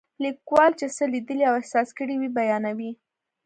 لیکوال چې څه لیدلي او احساس کړي وي بیانوي.